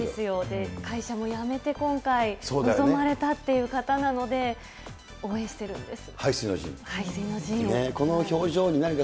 会社も辞めて今回臨まれたという方なので、応援してるんです。